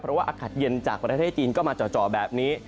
เพราะว่าอากาศเย็นจากประเทศจีนก็มาจ่อแบบนี้